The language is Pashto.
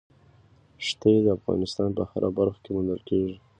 ښتې د افغانستان په هره برخه کې موندل کېږي.